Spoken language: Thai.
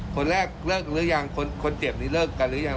คนแรกเลิกหรือยังคนเจ็บนี้เลิกกันหรือยัง